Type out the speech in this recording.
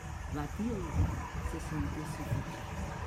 Bathilde se sentait suffoquer.